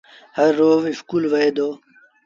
هر روز اسڪُول وهي دو